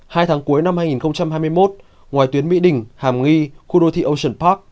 hai tháng cuối năm hai nghìn hai mươi một ngoài tuyến mỹ đình hàm nghi khu đô thị ocean park